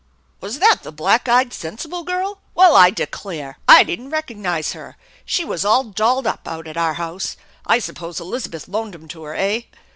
" Was that the black eyed, sensible girl? Well, I declare! 208 THE ENCHANTED BARN I didn't recognize her. She was all dolled up out at oui house. I suppose Elizabeth loaned 'em to her, eh?